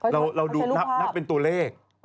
เราดูนับเป็นตัวเลข